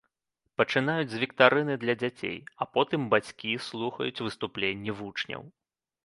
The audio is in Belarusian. Пачынаюць з віктарыны для дзяцей, а потым бацькі слухаюць выступленні вучняў.